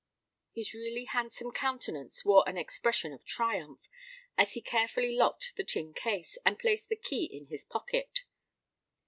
His really handsome countenance wore an expression of triumph, as he carefully locked the tin case, and placed the key in his pocket.